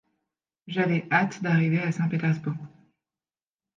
J'avais hâte d'arriver à Saint-Pétersbourg.